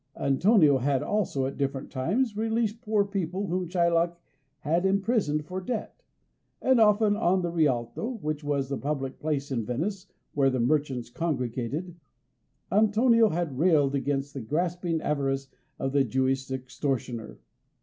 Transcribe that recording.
Antonio had also, at different times, released poor people whom Shylock had imprisoned for debt, and often on the Rialto (which was the public place in Venice, where the merchants congregated) Antonio had railed against the grasping avarice of the Jewish extortioner.